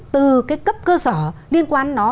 từ cái cấp cơ sở liên quan nó